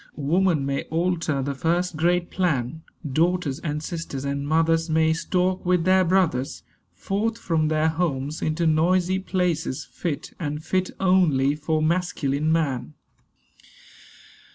Woman may alter the first great plan. Daughters and sisters and mothers May stalk with their brothers Forth from their homes into noisy places Fit (and fit only) for masculine man.